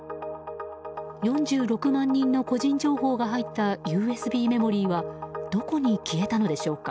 ４６万人の個人情報が入ったＵＳＢメモリーはどこに消えたのでしょうか。